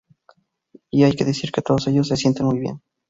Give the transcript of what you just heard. Y hay que decir que todos ellos se sienten muy bien.